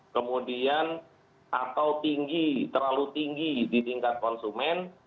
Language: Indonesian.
kemudian atau tinggi terlalu tinggi di tingkat konsumen